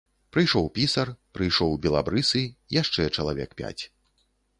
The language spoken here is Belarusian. Прыйшоў пісар, прыйшоў белабрысы, яшчэ чалавек пяць.